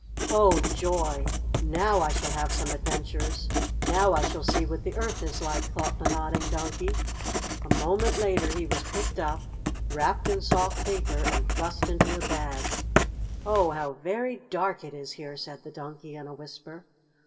"Oh, joy! Now I shall have some adventures! Now I shall see what the Earth is like!" thought the Nodding Donkey. A moment later he was picked up, wrapped in soft paper, and thrust into a bag. "Oh, how very dark it is here," said the Donkey in a whisper.